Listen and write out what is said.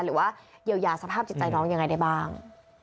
หรือว่าเยียวยาสภาพจิตใจน้องยังไงได้บ้าง